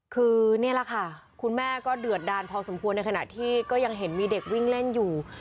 คือนี่แหละค่ะคุณแม่ก็เดือดดานพอสมควรในขณะที่ก็ยังเห็นมีเด็กวิ่งเล่นอยู่